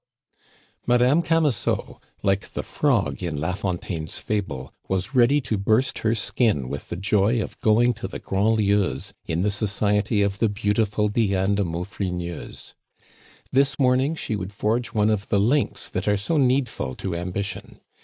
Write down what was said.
Madame Camusot, like the frog in la Fontaine's fable, was ready to burst her skin with the joy of going to the Grandlieus' in the society of the beautiful Diane de Maufrigneuse. This morning she would forge one of the links that are so needful to ambition.